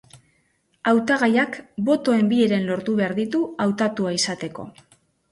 Hautagaiak botoen bi heren lortu behar ditu hautatua izateko.